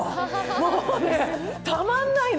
もうね、たまんないね。